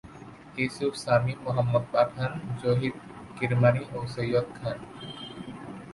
ইউসুফ শামি, মোহাম্মদ পাঠান, জহির কিরমানি ও সৈয়দ খান।